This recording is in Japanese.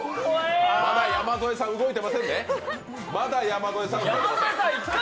まだ山添さん、動いてませんね。